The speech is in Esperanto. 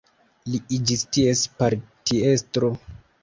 Li iĝis ties partiestro.